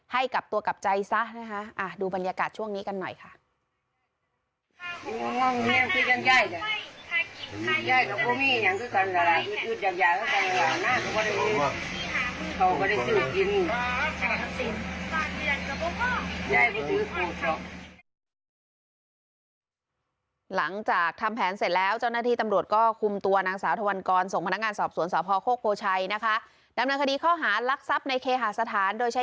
ให้กับตัวกลับใจซะนะคะดูบรรยากาศช่วงนี้กันหน่อยค่ะ